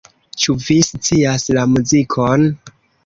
Ĉu vi scias la muzikon?